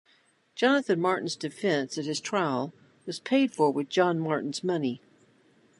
Jonathan Martin's defence at his trial was paid for with John Martin's money.